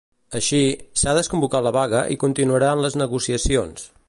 Així, s'ha desconvocat la vaga i continuaran les negociacions.